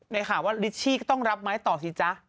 ในข่าวว่าลิชชี่ก็ต้องรับไม้ต่อสิจ๊ะ